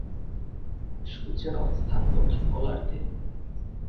সূর্যের অবস্থান দক্ষিণ গোলার্ধে।